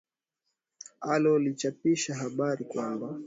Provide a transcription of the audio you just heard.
alo lilichapisha habari kwamba